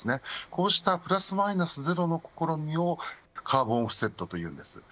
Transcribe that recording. こうしたプラスマイナスゼロの試みをカーボンオフセットといいます。